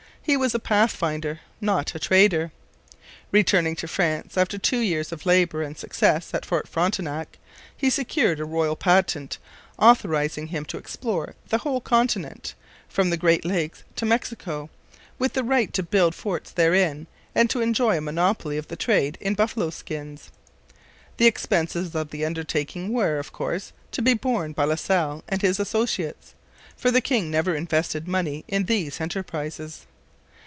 He was a pathfinder, not a trader. Returning to France after two years of labour and success at Fort Frontenac, he secured a royal patent authorizing him to explore the whole continent from the Great Lakes to Mexico, with the right to build forts therein and to enjoy a monopoly of the trade in buffalo skins. The expenses of the undertaking were, of course, to be borne by La Salle and his associates, for the king never invested money in these enterprises.